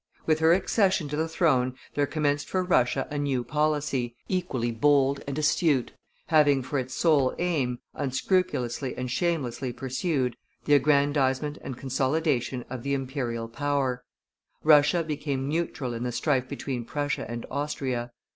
With her accession to the throne there commenced for Russia a new policy, equally bold and astute, having for its sole aim, unscrupulously and shamelessly pursued, the aggrandizement and consolidation of the imperial power; Russia became neutral in the strife between Prussia and Austria.